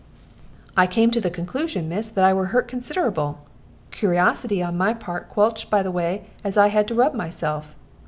"I came to the conclusion, miss, that I were hurt considerable. Coorosity on my part were quenched by the way as I had to rub myself.